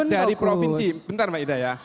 terus dari provinsi bentar maeda ya